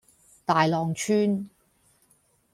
大浪村